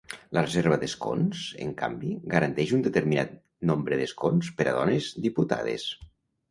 La reserva d'escons, en canvi, garanteix un determinat nombre d'escons per a dones diputades.